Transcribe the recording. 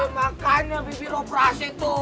makanya bibir lo berasi tuh